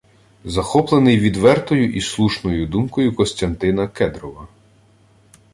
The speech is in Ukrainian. Захоплений відвертою і слушною думкою Костянтина Кедрова